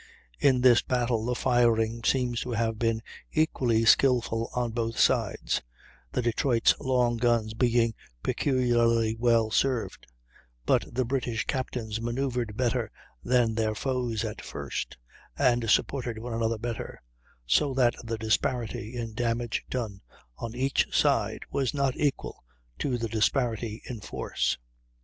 In this battle the firing seems to have been equally skilful on both sides, the Detroit's long guns being peculiarly well served; but the British captains manoeuvred better than their foes at first, and supported one another better, so that the disparity in damage done on each side was not equal to the disparity in force.